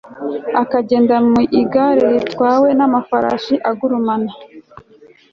ukagenda mu igare ritwawe n'amafarasi agurumana